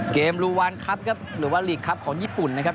ลูวานครับครับหรือว่าลีกครับของญี่ปุ่นนะครับ